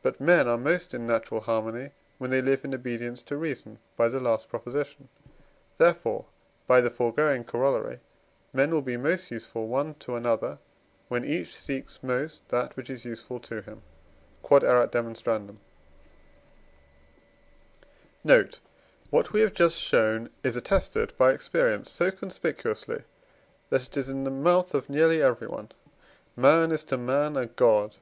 But men are most in natural harmony, when they live in obedience to reason (by the last Prop.); therefore (by the foregoing Coroll.) men will be most useful one to another, when each seeks most that which is useful to him. Q.E.D. Note. What we have just shown is attested by experience so conspicuously, that it is in the mouth of nearly everyone: "Man is to man a God."